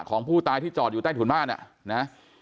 ของผู้ตายที่จอดอยู่ใต้ถุนบ้านอ่ะนะ